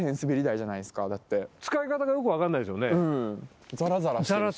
使い方がよく分かんないですよね。